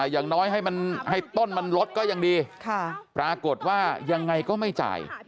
อย่างน้อยให้ต้นมันลดก็ยังดีปรากฏว่ายังไงก็ไม่จ่าย